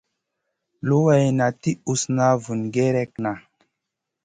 Luwayna ti usna vun gerekna.